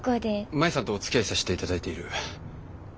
舞さんとおつきあいさしていただいている柏木です。